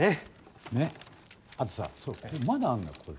ねっあとさまだあんのよ。